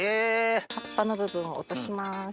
葉っぱの部分を落とします。